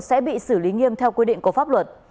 sẽ bị xử lý nghiêm theo quy định của pháp luật